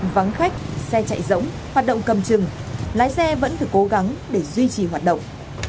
vắng khách xe chạy rỗng hoạt động cầm chừng lái xe vẫn phải cố gắng để duy trì hoạt động